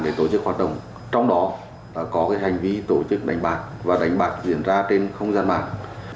để tổ chức hoạt động trong đó đã có hành vi tổ chức đánh bạc và đánh bạc diễn ra trên không gian mạng